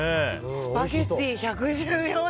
スパゲティ、１１４円。